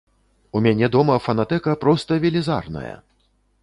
У мяне дома фанатэка проста велізарная!